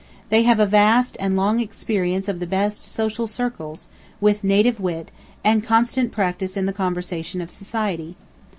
They have a vast and long experience of the best social circles, with native wit, and constant practice in the conversation of society.